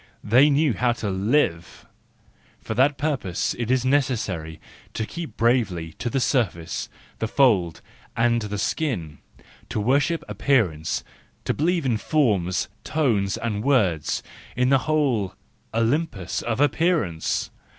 They knew how to live: for that purpose it is necessary to keep bravely to the surface, the fold and the skin ; to worship appearance, to believe in forms, tones, and words, in the whole Olympus of appearance!